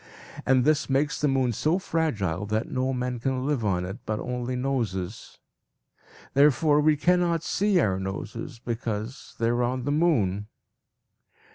And this makes the moon so fragile that no men can live on it, but only noses. Therefore we cannot see our noses, because they are on the moon.